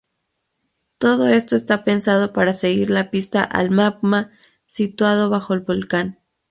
Todo esto está pensado para seguir la pista al magma situado bajo el volcán.